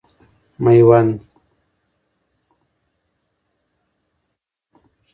میوند